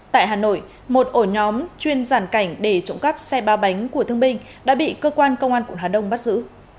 tại hà nội một ổ nhóm chuyên giàn cảnh để trộm cắp xe ba bánh của thương binh đã bị cơ quan công an quận hà đông bắt giữ